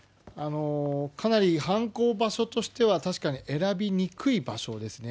かなり犯行場所としては、確かに選びにくい場所ですね。